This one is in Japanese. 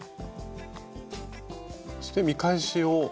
そして見返しを。